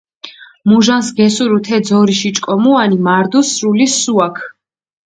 მუჟანს გესურუ თე ძორიში ჭკომუანი, მარდუ სრული სუაქ.